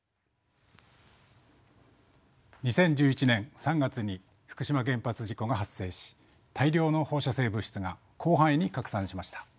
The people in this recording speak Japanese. ２０１１年３月に福島原発事故が発生し大量の放射性物質が広範囲に拡散しました。